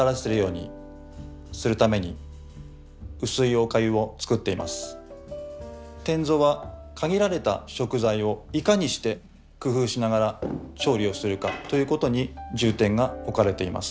お米が大変貴重でありますので典座は限られた食材をいかにして工夫しながら調理をするかということに重点が置かれています。